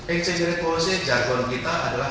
existing repulsi jargon kita adalah